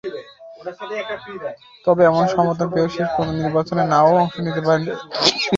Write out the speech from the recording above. তবে এমন সমর্থন পেয়েও শেষ পর্যন্ত নির্বাচনে না-ও অংশ নিতে পারেন ইনফান্তিনো।